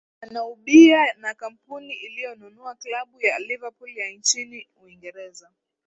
anaubia na kampuni iliyonunua klabu ya liverpool ya nchini uingereza